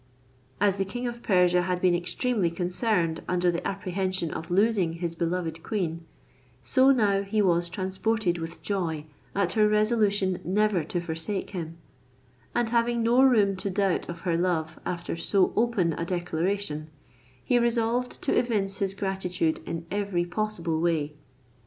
As the king of Persia had been extremely concerned under the apprehension of losing his beloved queen, so now he was transported with joy at her resolution never to forsake him; and having no room to doubt of her love after so open a declaration, he resolved to evince his gratitude in every possible way.